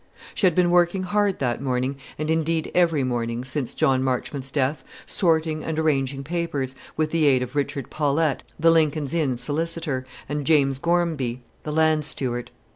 She had been working hard that morning, and indeed every morning since John Marchmont's death, sorting and arranging papers, with the aid of Richard Paulette, the Lincoln's Inn solicitor, and James Gormby, the land steward.